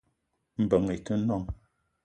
Mbeng i te noong